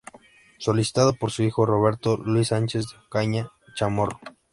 Solicitado por su hijo Roberto Luís Sánchez de Ocaña Chamorro.